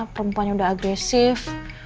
perempuannya udah agresif